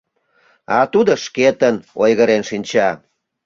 А тудо шкетын ойгырен шинча.